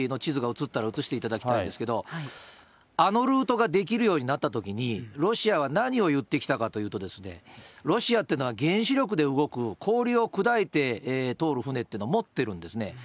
さっきの北極海周りの地図が写ったら写していただきたいんですけれども、あのルートができるようになったときに、ロシアは何を言ってきたかというと、ロシアっていうのは原子力で動く、氷を砕いて通る船っていうのを持ってるんですね。